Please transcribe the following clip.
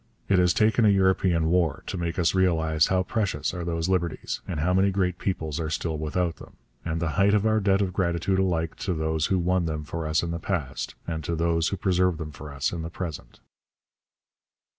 It has taken a European war to make us realize how precious are those liberties, how many great peoples are still without them, and the height of our debt of gratitude alike to those who won them for us in the past, and to those who preserve them for us in the present.